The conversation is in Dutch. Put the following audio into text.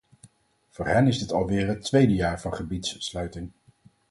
Voor hen is dit alweer het tweede jaar van gebiedssluiting.